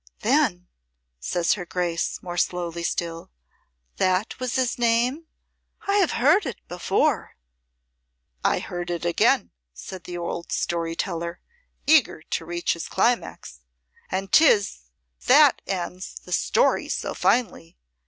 '" "Then," says her Grace, more slowly still, "that was his name? I have heard it before." "I heard it again," said the old story teller, eager to reach his climax. "And 'tis that ends the story so finely.